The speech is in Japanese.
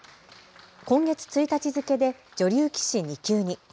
今月１日付けで女流棋士２級に。